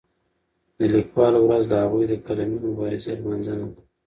د لیکوالو ورځ د هغوی د قلمي مبارزې لمانځنه ده.